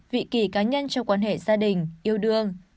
vị kỳ cá nhân trong quan hệ gia đình yêu đương